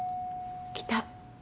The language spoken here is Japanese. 来た。